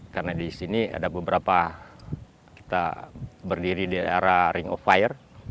karena di sini ada beberapa kita berdiri di daerah ring of fire